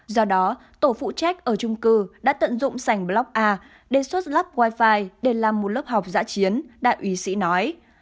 do đó tổ phụ trách ở trung cư đã tận dụng sảnh block a để xuất lắp wi fi để làm một lớp học giã chiến đại ủy sĩ nói